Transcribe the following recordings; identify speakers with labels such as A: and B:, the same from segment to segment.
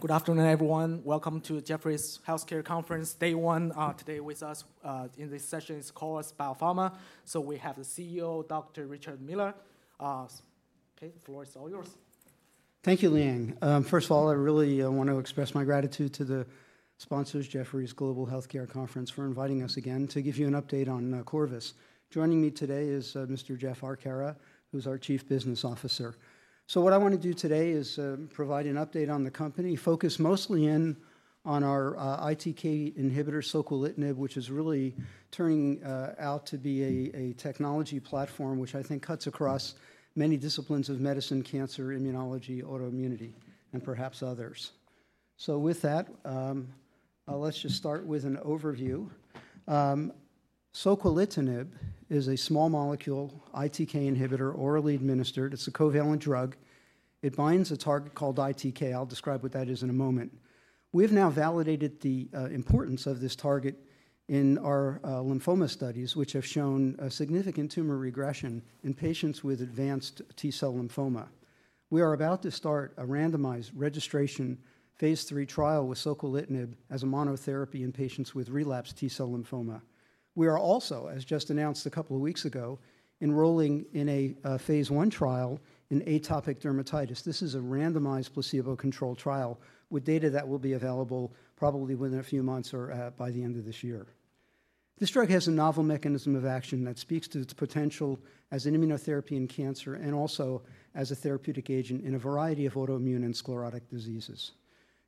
A: Good afternoon, everyone. Welcome to Jefferies Healthcare Conference, day one. Today with us, in this session is Corvus Pharmaceuticals. We have the CEO, Dr. Richard Miller. Okay, the floor is all yours.
B: Thank you, Liang. First of all, I really want to express my gratitude to the sponsors, Jefferies Global Healthcare Conference, for inviting us again to give you an update on Corvus. Joining me today is Mr. Jeff Arcara, who's our Chief Business Officer. So what I want to do today is provide an update on the company, focus mostly in on our ITK inhibitor, soquelitinib, which is really turning out to be a technology platform, which I think cuts across many disciplines of medicine, cancer, immunology, autoimmunity, and perhaps others. So with that, let's just start with an overview. Soquelitinib is a small molecule, ITK inhibitor, orally administered. It's a covalent drug. It binds a target called ITK. I'll describe what that is in a moment. We've now validated the importance of this target in our lymphoma studies, which have shown a significant tumor regression in patients with advanced T-cell lymphoma. We are about to start a randomized registration phase III trial with soquelitinib as a monotherapy in patients with relapsed T-cell lymphoma. We are also, as just announced a couple of weeks ago, enrolling in a phase I trial in atopic dermatitis. This is a randomized, placebo-controlled trial with data that will be available probably within a few months or by the end of this year. This drug has a novel mechanism of action that speaks to its potential as an immunotherapy in cancer and also as a therapeutic agent in a variety of autoimmune and sclerotic diseases.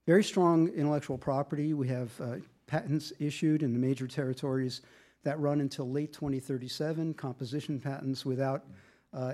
B: Very strong intellectual property. We have patents issued in the major territories that run until late 2037, composition patents without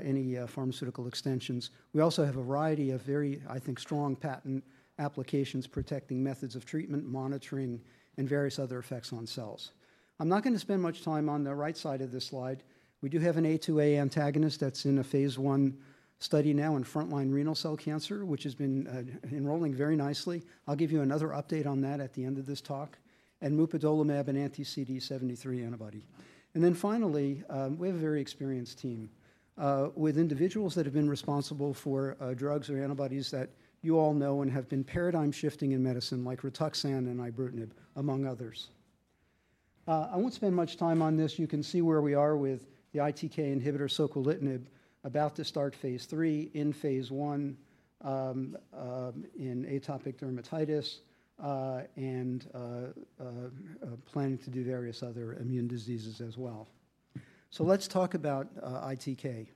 B: any pharmaceutical extensions. We also have a variety of very, I think, strong patent applications protecting methods of treatment, monitoring, and various other effects on cells. I'm not going to spend much time on the right side of this slide. We do have an A2A antagonist that's in a phase I study now in frontline renal cell cancer, which has been enrolling very nicely. I'll give you another update on that at the end of this talk, and mupadolimab, an anti-CD73 antibody. And then finally, we have a very experienced team with individuals that have been responsible for drugs or antibodies that you all know and have been paradigm shifting in medicine, like Rituxan and ibrutinib, among others. I won't spend much time on this. You can see where we are with the ITK inhibitor, soquelitinib, about to start phase III, in phase I, in atopic dermatitis, and planning to do various other immune diseases as well. So let's talk about ITK.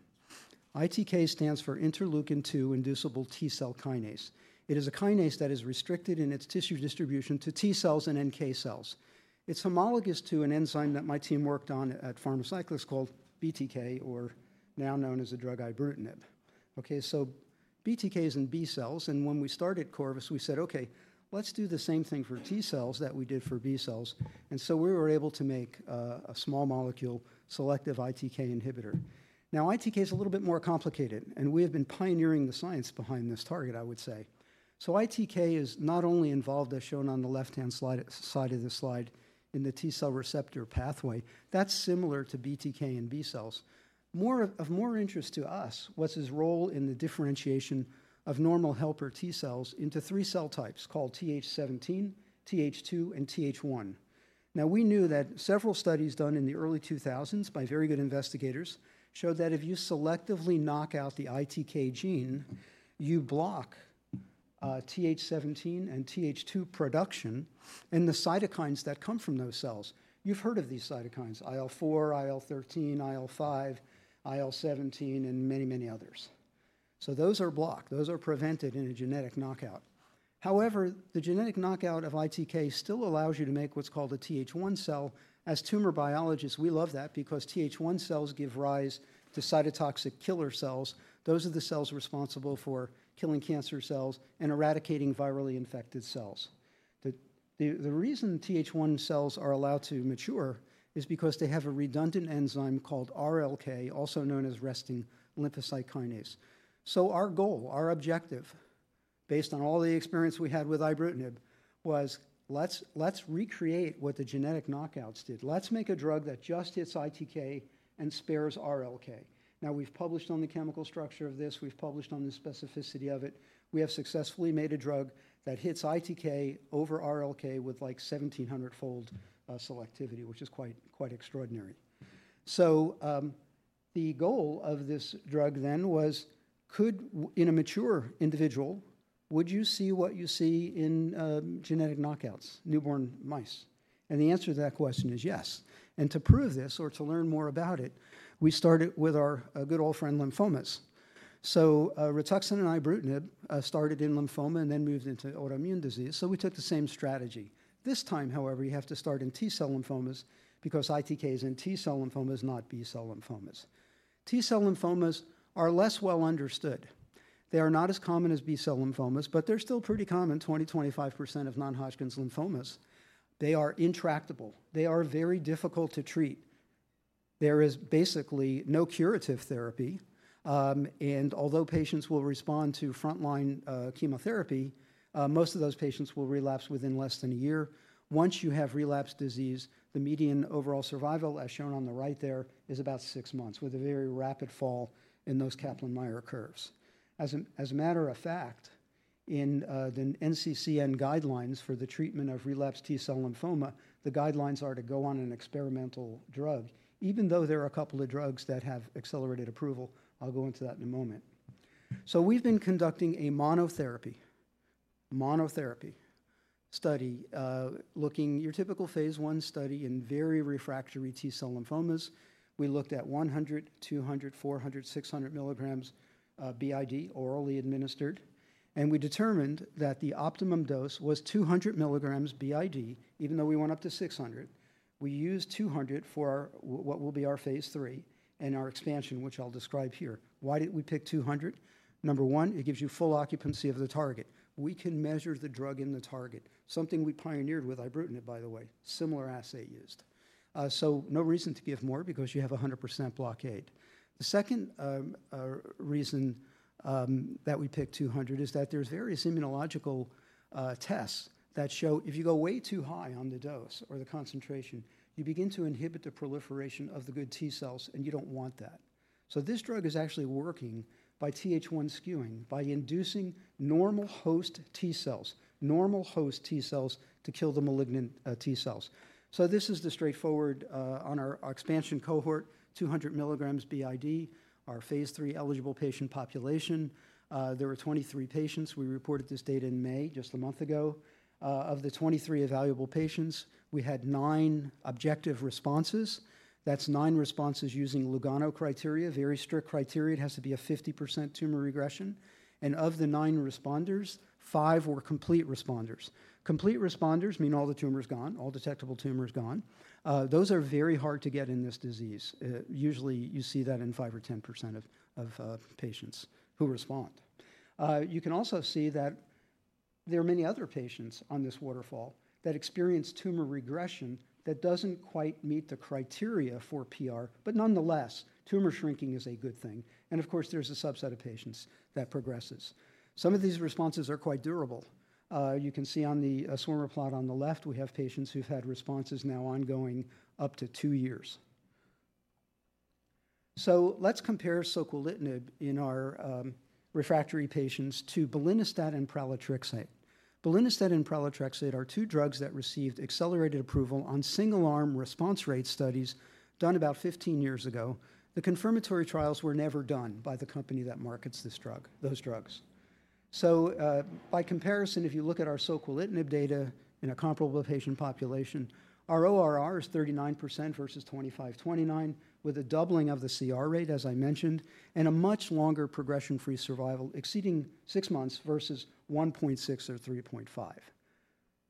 B: ITK stands for interleukin-2-inducible T-cell kinase. It is a kinase that is restricted in its tissue distribution to T cells and NK cells. It's homologous to an enzyme that my team worked on at Pharmacyclics called BTK, or now known as the drug ibrutinib. Okay, so BTK is in B cells, and when we started Corvus, we said, "Okay, let's do the same thing for T cells that we did for B cells." And so we were able to make a small molecule, selective ITK inhibitor. Now, ITK is a little bit more complicated, and we have been pioneering the science behind this target, I would say. So ITK is not only involved, as shown on the left-hand side of the slide, in the T-cell receptor pathway. That's similar to BTK in B cells. More of more interest to us was its role in the differentiation of normal helper T cells into three cell types, called TH17, TH2, and TH1. Now, we knew that several studies done in the early 2000s by very good investigators showed that if you selectively knock out the ITK gene, you block TH17 and TH2 production and the cytokines that come from those cells. You've heard of these cytokines, IL-4, IL-13, IL-5, IL-17, and many, many others. So those are blocked. Those are prevented in a genetic knockout. However, the genetic knockout of ITK still allows you to make what's called a TH-one cell. As tumor biologists, we love that because TH-one cells give rise to cytotoxic killer cells. Those are the cells responsible for killing cancer cells and eradicating virally infected cells. The reason TH-one cells are allowed to mature is because they have a redundant enzyme called RLK, also known as resting lymphocyte kinase. So our goal, our objective, based on all the experience we had with ibrutinib, was let's recreate what the genetic knockouts did. Let's make a drug that just hits ITK and spares RLK. Now, we've published on the chemical structure of this. We've published on the specificity of it. We have successfully made a drug that hits ITK over RLK with, like, 1700-fold selectivity, which is quite, quite extraordinary. So, the goal of this drug then was, could in a mature individual, would you see what you see in genetic knockouts, newborn mice? The answer to that question is yes. To prove this, or to learn more about it, we started with our good old friend, lymphomas. So, Rituxan and ibrutinib started in lymphoma and then moved into autoimmune disease, so we took the same strategy. This time, however, you have to start in T-cell lymphomas because ITK is in T-cell lymphomas, not B-cell lymphomas. T-cell lymphomas are less well understood. They are not as common as B-cell lymphomas, but they're still pretty common, 20-25% of non-Hodgkin's lymphomas. They are intractable. They are very difficult to treat. There is basically no curative therapy, and although patients will respond to frontline chemotherapy, most of those patients will relapse within less than a year. Once you have relapsed disease, the median overall survival, as shown on the right there, is about six months, with a very rapid fall in those Kaplan-Meier curves. As a matter of fact, in the NCCN guidelines for the treatment of relapsed T-cell lymphoma, the guidelines are to go on an experimental drug, even though there are a couple of drugs that have accelerated approval. I'll go into that in a moment. So we've been conducting a monotherapy, monotherapy study, looking your typical phase I study in very refractory T-cell lymphomas. We looked at 100, 200, 400, 600 milligrams BID, orally administered, and we determined that the optimum dose was 200 milligrams BID, even though we went up to 600. We used 200 for our, what will be our phase III and our expansion, which I'll describe here. Why did we pick 200? Number one, it gives you full occupancy of the target. We can measure the drug in the target, something we pioneered with ibrutinib, by the way, similar assay used. So no reason to give more because you have 100% blockade. The second reason that we picked 200 is that there's various immunological tests that show if you go way too high on the dose or the concentration, you begin to inhibit the proliferation of the good T cells, and you don't want that. So this drug is actually working by Th1 skewing, by inducing normal host T cells, normal host T cells to kill the malignant T cells. So this is the straightforward on our expansion cohort, 200 milligrams BID, our phase III eligible patient population. There were 23 patients. We reported this data in May, just a month ago. Of the 23 evaluable patients, we had 9 objective responses. That's 9 responses using Lugano criteria, very strict criteria. It has to be a 50% tumor regression, and of the 9 responders, 5 were complete responders. Complete responders mean all the tumor is gone, all detectable tumor is gone. Those are very hard to get in this disease. Usually, you see that in 5% or 10% of patients who respond. You can also see that there are many other patients on this waterfall that experience tumor regression that doesn't quite meet the criteria for PR, but nonetheless, tumor shrinking is a good thing, and, of course, there's a subset of patients that progresses. Some of these responses are quite durable. You can see on the swimmer plot on the left, we have patients who've had responses now ongoing up to 2 years. So let's compare soquelitinib in our refractory patients to belinostat and pralatrexate. Belinostat and pralatrexate are two drugs that received accelerated approval on single-arm response rate studies done about 15 years ago. The confirmatory trials were never done by the company that markets this drug, those drugs. So, by comparison, if you look at our soquelitinib data in a comparable patient population, our ORR is 39% versus 25, 29, with a doubling of the CR rate, as I mentioned, and a much longer progression-free survival, exceeding six months versus 1.6 or 3.5.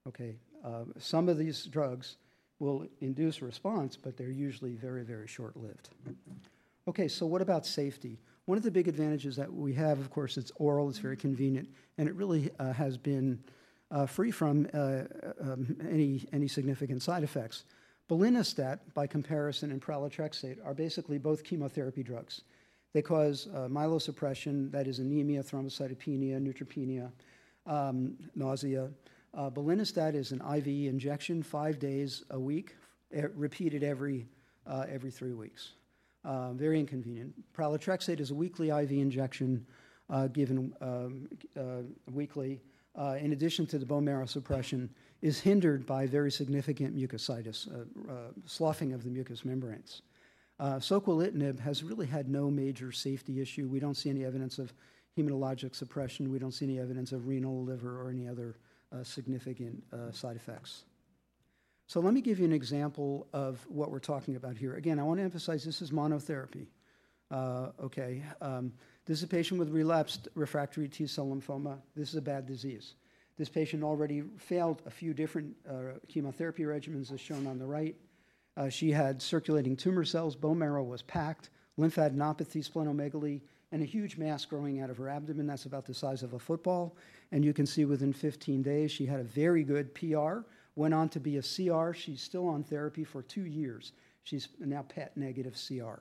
B: Okay, some of these drugs will induce a response, but they're usually very, very short-lived. Okay, so what about safety? One of the big advantages that we have, of course, it's oral, it's very convenient, and it really has been free from any significant side effects. Belinostat, by comparison, and pralatrexate are basically both chemotherapy drugs. They cause myelosuppression, that is anemia, thrombocytopenia, neutropenia, nausea. Belinostat is an IV injection, five days a week, repeated every three weeks. Very inconvenient. Pralatrexate is a weekly IV injection, given weekly. In addition to the bone marrow suppression, is hindered by very significant mucositis, sloughing of the mucous membranes. Soquelitinib has really had no major safety issue. We don't see any evidence of hematologic suppression. We don't see any evidence of renal, liver, or any other significant side effects. So let me give you an example of what we're talking about here. Again, I want to emphasize this is monotherapy. Okay, this is a patient with relapsed refractory T-cell lymphoma. This is a bad disease. This patient already failed a few different chemotherapy regimens, as shown on the right. She had circulating tumor cells, bone marrow was packed, lymphadenopathy, splenomegaly, and a huge mass growing out of her abdomen. That's about the size of a football. And you can see within 15 days, she had a very good PR, went on to be a CR. She's still on therapy for 2 years. She's now PET-negative CR.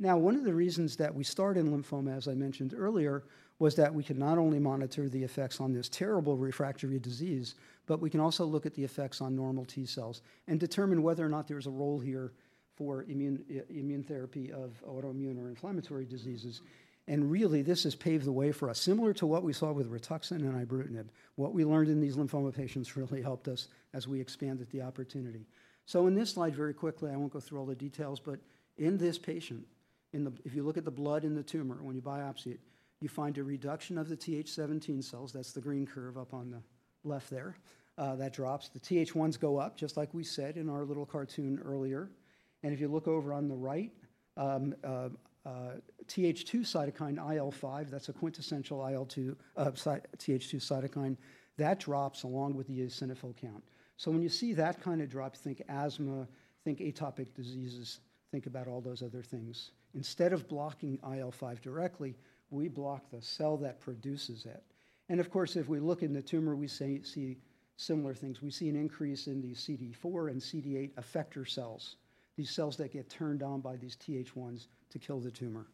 B: Now, one of the reasons that we started in lymphoma, as I mentioned earlier, was that we could not only monitor the effects on this terrible refractory disease, but we can also look at the effects on normal T cells and determine whether or not there's a role here for immune therapy of autoimmune or inflammatory diseases. And really, this has paved the way for us. Similar to what we saw with Rituxan and ibrutinib, what we learned in these lymphoma patients really helped us as we expanded the opportunity. In this slide, very quickly, I won't go through all the details, but in this patient, if you look at the blood in the tumor, when you biopsy it, you find a reduction of the Th17 cells. That's the green curve up on the left there. That drops. The Th1s go up, just like we said in our little cartoon earlier. If you look over on the right, Th2 cytokine, IL-5, that's a quintessential IL-2 Th2 cytokine, that drops along with the eosinophil count. When you see that kind of drop, think asthma, think atopic diseases, think about all those other things. Instead of blocking IL-5 directly, we block the cell that produces it. Of course, if we look in the tumor, we say, see similar things. We see an increase in the CD4 and CD8 effector cells, these cells that get turned on by these Th1s to kill the tumor.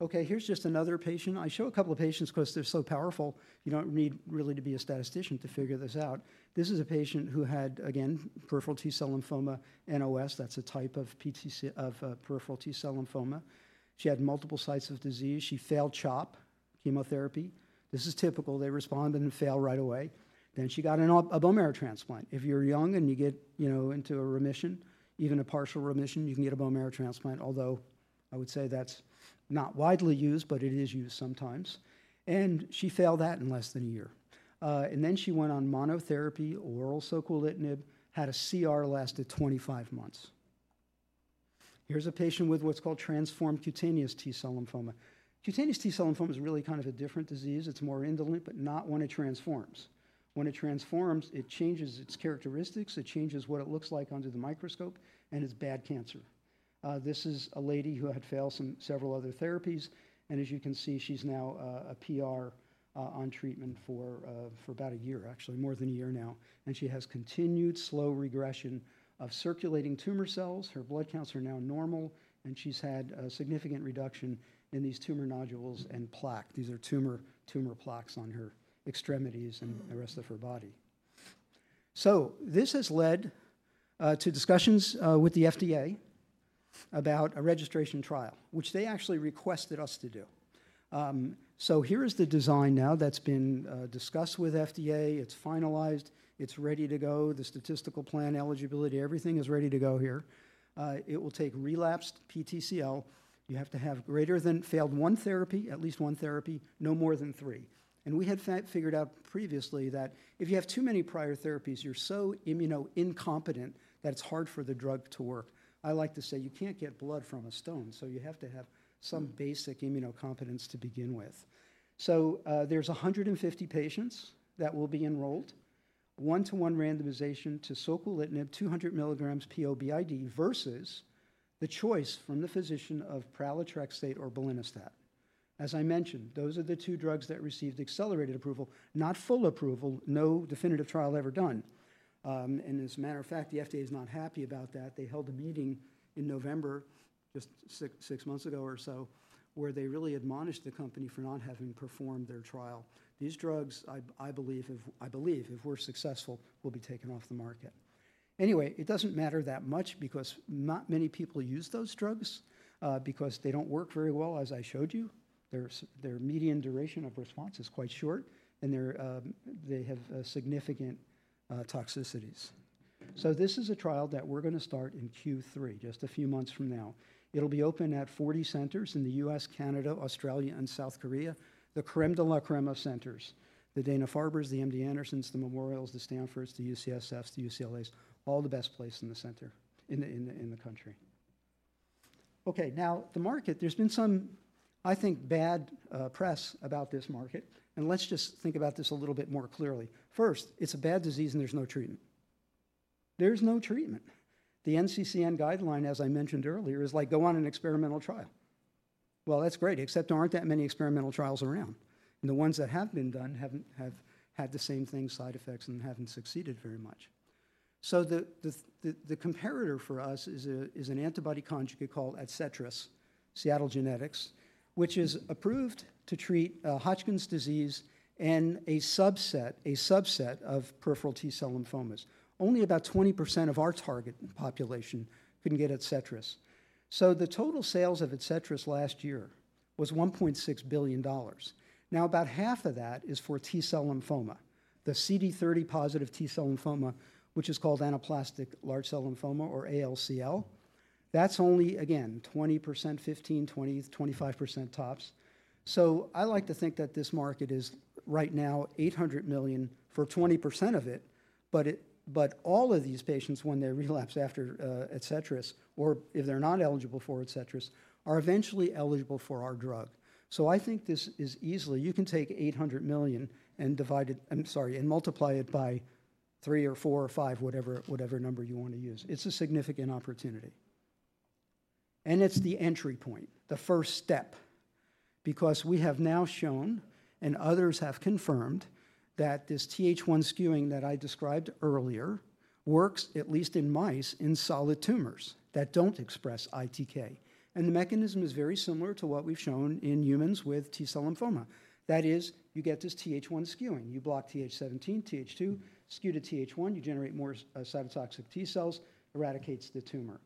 B: Okay, here's just another patient. I show a couple of patients because they're so powerful, you don't need really to be a statistician to figure this out. This is a patient who had, again, peripheral T-cell lymphoma, NOS. That's a type of peripheral T-cell lymphoma. She had multiple sites of disease. She failed CHOP chemotherapy. This is typical. They respond and then fail right away. Then she got a bone marrow transplant. If you're young and you get, you know, into a remission, even a partial remission, you can get a bone marrow transplant, although I would say that's not widely used, but it is used sometimes. She failed that in less than a year. Then she went on monotherapy, oral soquelitinib, had a CR, lasted 25 months. Here's a patient with what's called transformed cutaneous T-cell lymphoma. Cutaneous T-cell lymphoma is really kind of a different disease. It's more indolent, but not when it transforms. When it transforms, it changes its characteristics, it changes what it looks like under the microscope, and it's bad cancer. This is a lady who had failed several other therapies, and as you can see, she's now a PR on treatment for about a year, actually more than a year now, and she has continued slow regression of circulating tumor cells. Her blood counts are now normal, and she's had a significant reduction in these tumor nodules and plaque. These are tumor, tumor plaques on her extremities and the rest of her body. So this has led to discussions with the FDA about a registration trial, which they actually requested us to do. So here is the design now that's been discussed with FDA. It's finalized. It's ready to go. The statistical plan, eligibility, everything is ready to go here. It will take relapsed PTCL. You have to have greater than failed one therapy, at least one therapy, no more than three. And we had figured out previously that if you have too many prior therapies, you're so immuno incompetent that it's hard for the drug to work. I like to say you can't get blood from a stone, so you have to have some basic immuno competence to begin with. So, there's 150 patients that will be enrolled, one-to-one randomization to soquelitinib, 200 milligrams PO BID, versus the choice from the physician of pralatrexate or belinostat. As I mentioned, those are the two drugs that received accelerated approval, not full approval, no definitive trial ever done. And as a matter of fact, the FDA is not happy about that. They held a meeting in November, just six months ago or so, where they really admonished the company for not having performed their trial. These drugs, I believe, if we're successful, will be taken off the market. Anyway, it doesn't matter that much because not many people use those drugs, because they don't work very well, as I showed you. Their median duration of response is quite short, and they have significant toxicities. So this is a trial that we're going to start in Q3, just a few months from now. It'll be open at 40 centers in the U.S., Canada, Australia, and South Korea. The crème de la crème of centers, the Dana-Farbers, the MD Andersons, the Memorials, the Stanfords, the UCSFs, the UCLAs, all the best places in the country. Okay, now, the market, there's been some, I think, bad press about this market, and let's just think about this a little bit more clearly. First, it's a bad disease, and there's no treatment. There's no treatment. The NCCN guideline, as I mentioned earlier, is like, go on an experimental trial. Well, that's great, except there aren't that many experimental trials around, and the ones that have been done haven't had the same thing, side effects, and haven't succeeded very much. So the comparator for us is an antibody conjugate called Adcetris, Seattle Genetics, which is approved to treat Hodgkin's disease and a subset of peripheral T-cell lymphomas. Only about 20% of our target population can get Adcetris. So the total sales of Adcetris last year was $1.6 billion. Now, about half of that is for T-cell lymphoma, the CD30 positive T-cell lymphoma, which is called anaplastic large cell lymphoma or ALCL. That's only, again, 20%, 15, 20, 25% tops. So I like to think that this market is right now $800 million for 20% of it, but all of these patients, when they relapse after Adcetris, or if they're not eligible for Adcetris, are eventually eligible for our drug. So I think this is easily... You can take $800 million and divide it, I'm sorry, and multiply it by 3 or 4 or 5, whatever, whatever number you want to use. It's a significant opportunity, and it's the entry point, the first step, because we have now shown, and others have confirmed, that this TH1 skewing that I described earlier works, at least in mice, in solid tumors that don't express ITK. And the mechanism is very similar to what we've shown in humans with T-cell lymphoma. That is, you get this TH1 skewing, you block TH17, TH2, skew to TH1, you generate more, cytotoxic T cells, eradicates the tumor.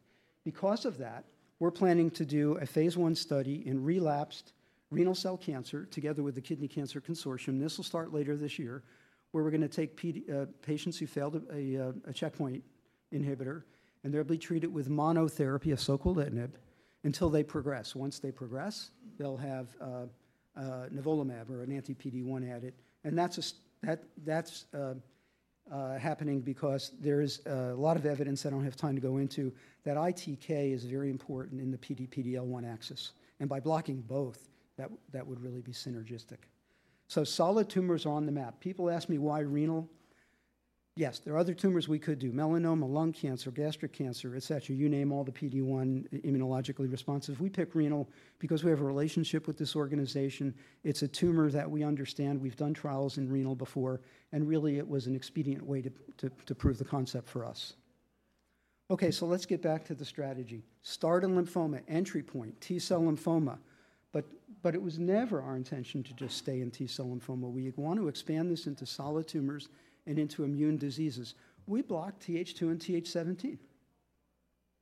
B: Because of that, we're planning to do a phase I study in relapsed renal cell cancer, together with the Kidney Cancer Research Consortium. This will start later this year, where we're going to take PD patients who failed a checkpoint inhibitor, and they'll be treated with monotherapy of soquelitinib until they progress. Once they progress, they'll have nivolumab or an anti-PD-1 added, and that's happening because there is a lot of evidence I don't have time to go into, that ITK is very important in the PD-1/PDL1 axis, and by blocking both, that would really be synergistic. So solid tumors are on the map. People ask me, "Why renal?" Yes, there are other tumors we could do, melanoma, lung cancer, gastric cancer, et cetera. You name all the PD-1 immunologically responses. We picked renal because we have a relationship with this organization. It's a tumor that we understand. We've done trials in renal before, and really, it was an expedient way to prove the concept for us. Okay, so let's get back to the strategy. Start in lymphoma, entry point, T-cell lymphoma, but it was never our intention to just stay in T-cell lymphoma. We want to expand this into solid tumors and into immune diseases. We block Th2 and Th17....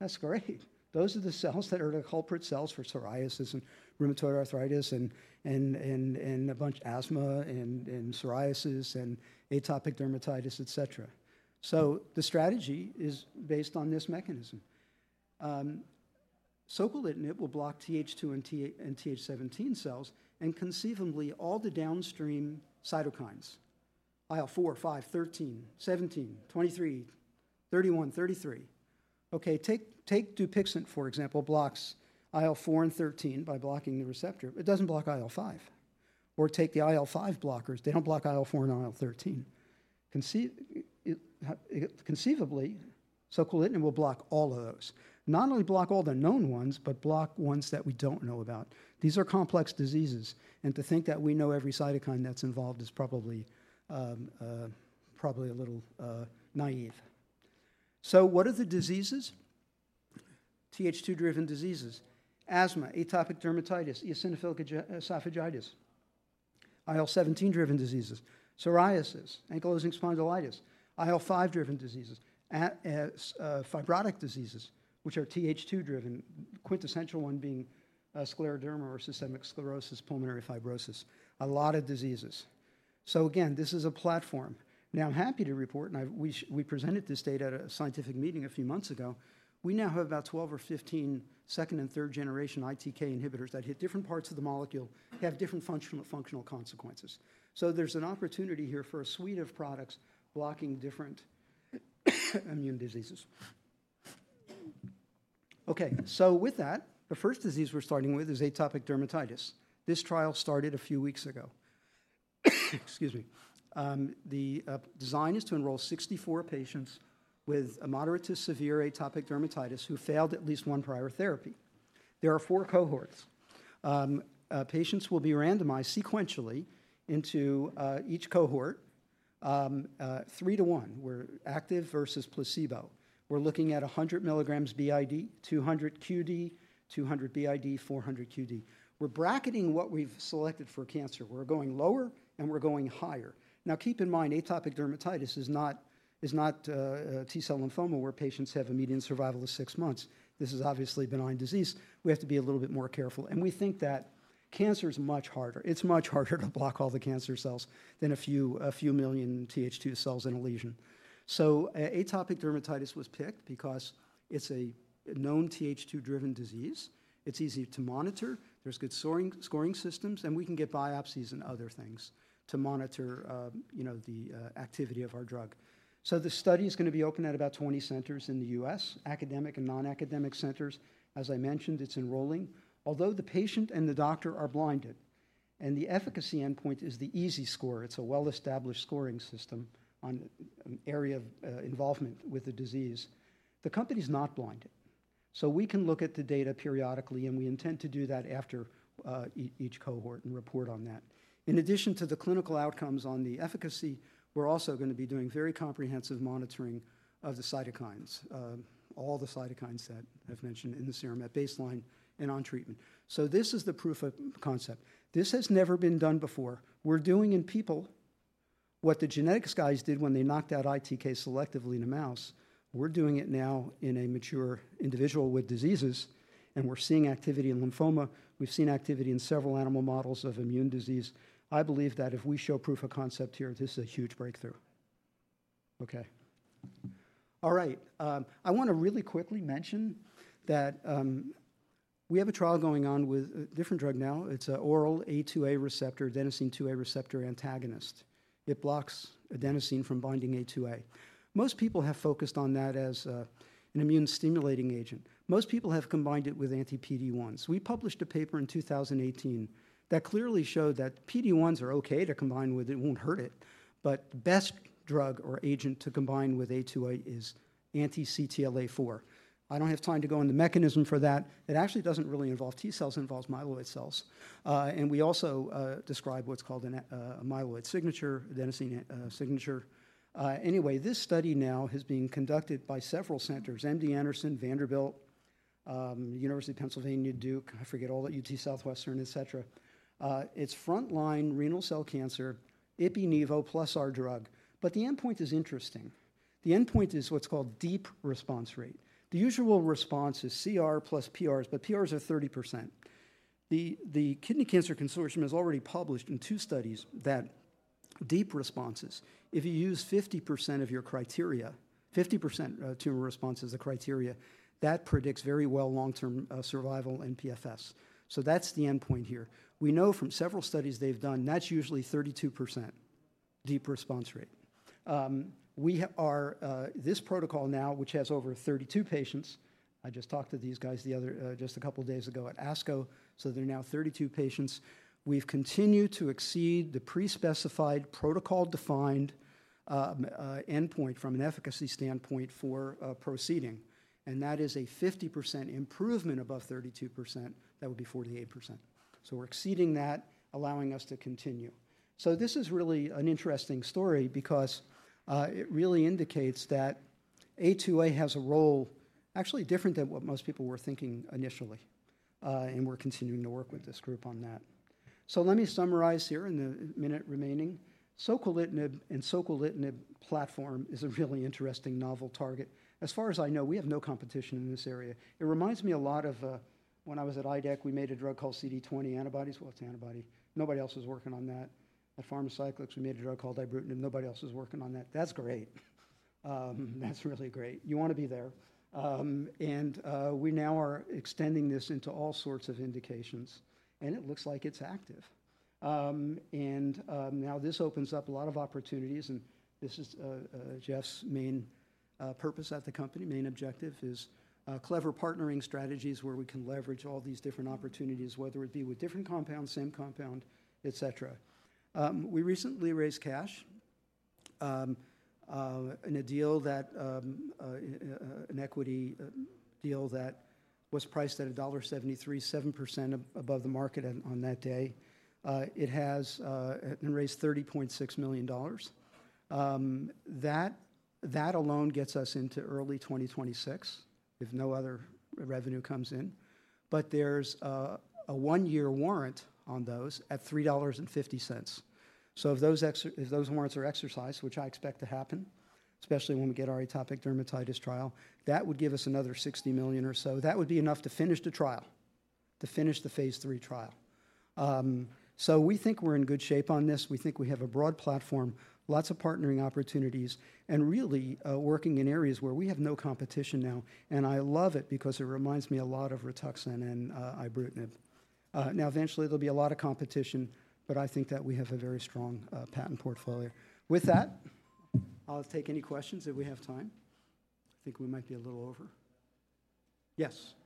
B: That's great! Those are the cells that are the culprit cells for psoriasis, and rheumatoid arthritis, and a bunch - asthma, and psoriasis, and atopic dermatitis, et cetera. So the strategy is based on this mechanism. soquelitinib will block Th2 and Th17 cells, and conceivably all the downstream cytokines: IL-4, 5, 13, 17, 23, 31, 33. Okay, take Dupixent, for example, blocks IL-4 and 13 by blocking the receptor. It doesn't block IL-5. Or take the IL-5 blockers, they don't block IL-4 and IL-13. Conceivably, soquelitinib will block all of those. Not only block all the known ones, but block ones that we don't know about. These are complex diseases, and to think that we know every cytokine that's involved is probably a little naive. So what are the diseases? TH2-driven diseases: asthma, atopic dermatitis, eosinophilic esophagitis. IL-17-driven diseases: psoriasis, ankylosing spondylitis. IL-5-driven diseases: fibrotic diseases, which are TH2-driven, quintessential one being scleroderma or systemic sclerosis, pulmonary fibrosis. A lot of diseases. So again, this is a platform. Now, I'm happy to report, and we presented this data at a scientific meeting a few months ago. We now have about 12 or 15 second- and third-generation ITK inhibitors that hit different parts of the molecule, have different function, functional consequences. So there's an opportunity here for a suite of products blocking different immune diseases. Okay, so with that, the first disease we're starting with is atopic dermatitis. This trial started a few weeks ago. The design is to enroll 64 patients with a moderate to severe atopic dermatitis, who failed at least one prior therapy. There are four cohorts. Patients will be randomized sequentially into each cohort, 3 to 1, where active versus placebo. We're looking at 100 milligrams BID, 200 QD, 200 BID, 400 QD. We're bracketing what we've selected for cancer. We're going lower, and we're going higher. Now, keep in mind, atopic dermatitis is not, is not, a T-cell lymphoma, where patients have a median survival of six months. This is obviously a benign disease. We have to be a little bit more careful, and we think that cancer is much harder. It's much harder to block all the cancer cells than a few, a few million TH2 cells in a lesion. So atopic dermatitis was picked because it's a known TH2-driven disease. It's easy to monitor. There's good scoring, scoring systems, and we can get biopsies and other things to monitor, you know, the activity of our drug. So the study is gonna be open at about 20 centers in the U.S., academic and non-academic centers. As I mentioned, it's enrolling. Although the patient and the doctor are blinded, and the efficacy endpoint is the EASI score, it's a well-established scoring system on an area of involvement with the disease, the company's not blinded. So we can look at the data periodically, and we intend to do that after each cohort and report on that. In addition to the clinical outcomes on the efficacy, we're also gonna be doing very comprehensive monitoring of the cytokines, all the cytokines that I've mentioned in the serum at baseline and on treatment. So this is the proof of concept. This has never been done before. We're doing in people what the genetics guys did when they knocked out ITK selectively in a mouse. We're doing it now in a mature individual with diseases, and we're seeing activity in lymphoma. We've seen activity in several animal models of immune disease. I believe that if we show proof of concept here, this is a huge breakthrough. Okay. All right, I wanna really quickly mention that, we have a trial going on with a different drug now. It's an oral A2A receptor, adenosine A2A receptor antagonist. It blocks adenosine from binding A2A. Most people have focused on that as an immune-stimulating agent. Most people have combined it with anti-PD-1s. We published a paper in 2018 that clearly showed that PD-1s are okay to combine with, it won't hurt it, but the best drug or agent to combine with A2A is anti-CTLA-4. I don't have time to go into the mechanism for that. It actually doesn't really involve T cells. It involves myeloid cells. And we also describe what's called a myeloid signature, adenosine signature. Anyway, this study now is being conducted by several centers: MD Anderson, Vanderbilt, University of Pennsylvania, Duke, I forget all the UT Southwestern, et cetera. It's frontline renal cell cancer, ipi/nivo plus our drug. But the endpoint is interesting. The endpoint is what's called deep response rate. The usual response is CR plus PRs, but PRs are 30%. The Kidney Cancer Consortium has already published in two studies that deep responses, if you use 50% of your criteria, 50%, tumor response as the criteria, that predicts very well long-term survival and PFS. So that's the endpoint here. We know from several studies they've done, that's usually 32% deep response rate. We are this protocol now, which has over 32 patients. I just talked to these guys the other, just a couple of days ago at ASCO, so there are now 32 patients. We've continued to exceed the pre-specified, protocol-defined, endpoint from an efficacy standpoint for proceeding, and that is a 50% improvement above 32%. That would be 48%. So we're exceeding that, allowing us to continue. So this is really an interesting story because, it really indicates that A2A has a role actually different than what most people were thinking initially, and we're continuing to work with this group on that. So let me summarize here in the minute remaining. soquelitinib and soquelitinib platform is a really interesting novel target. As far as I know, we have no competition in this area. It reminds me a lot of, when I was at IDEC, we made a drug called CD20 antibodies. Well, it's antibody. Nobody else was working on that. At Pharmacyclics, we made a drug called ibrutinib. Nobody else was working on that. That's great. That's really great. You want to be there. And we now are extending this into all sorts of indications, and it looks like it's active. And now this opens up a lot of opportunities, and this is Jeff's main purpose at the company. Main objective is clever partnering strategies where we can leverage all these different opportunities, whether it be with different compounds, same compound, et cetera. We recently raised cash in a deal that an equity deal that was priced at $1.73, 7% above the market on that day. It has raised $30.6 million. That alone gets us into early 2026, if no other revenue comes in. But there's a one-year warrant on those at $3.50. So if those warrants are exercised, which I expect to happen, especially when we get our atopic dermatitis trial, that would give us another $60 million or so. That would be enough to finish the trial, to finish the phase III trial. So we think we're in good shape on this. We think we have a broad platform, lots of partnering opportunities, and really working in areas where we have no competition now. And I love it because it reminds me a lot of Rituxan and ibrutinib. Now, eventually, there'll be a lot of competition, but I think that we have a very strong patent portfolio. With that, I'll take any questions if we have time. I think we might be a little over. Yes.
C: So, Doctor, I know you mentioned that you have limited, you know, competition for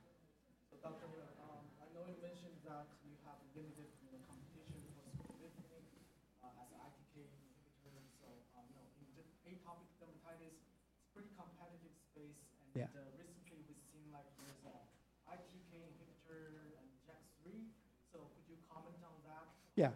C: soquelitinib, as ITK inhibitor. So, you know, in the atopic dermatitis, it's pretty competitive space.
B: Yeah.
C: Recently, we've seen, like, there's an ITK inhibitor and JAK3. So could you comment on that?
B: Yeah.
C: What's the key differentiation?
B: Yeah. Yeah,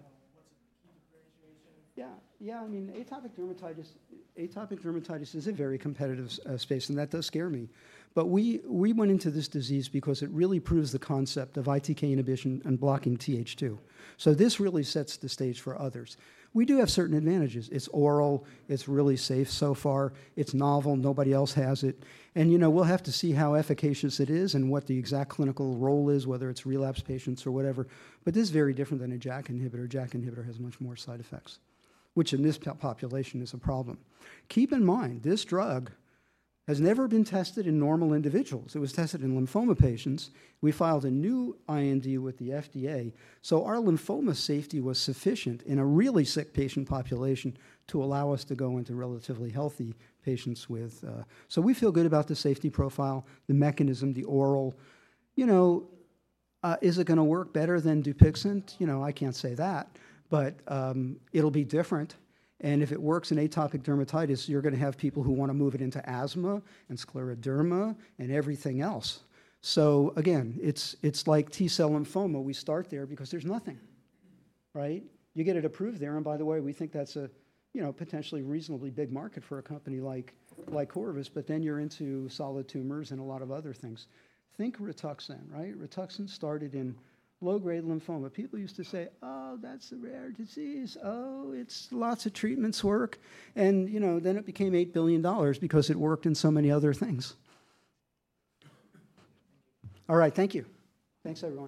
B: I mean, atopic dermatitis, atopic dermatitis is a very competitive space, and that does scare me. But we went into this disease because it really proves the concept of ITK inhibition and blocking Th2. So this really sets the stage for others. We do have certain advantages. It's oral, it's really safe so far, it's novel, nobody else has it. And, you know, we'll have to see how efficacious it is and what the exact clinical role is, whether it's relapse patients or whatever. But this is very different than a JAK inhibitor. JAK inhibitor has much more side effects, which in this population is a problem. Keep in mind, this drug has never been tested in normal individuals. It was tested in lymphoma patients. We filed a new IND with the FDA, so our lymphoma safety was sufficient in a really sick patient population to allow us to go into relatively healthy patients with... So we feel good about the safety profile, the mechanism, the oral. You know, is it gonna work better than Dupixent? You know, I can't say that, but, it'll be different. And if it works in atopic dermatitis, you're gonna have people who want to move it into asthma and scleroderma and everything else. So again, it's, it's like T-cell lymphoma. We start there because there's nothing, right? You get it approved there, and by the way, we think that's a, you know, potentially reasonably big market for a company like, like Corvus, but then you're into solid tumors and a lot of other things. Think Rituxan, right? Rituxan started in low-grade lymphoma. People used to say, "Oh, that's a rare disease. Oh, it's lots of treatments work." You know, then it became $8 billion because it worked in so many other things.
C: Thank you.
B: All right. Thank you. Thanks, everyone.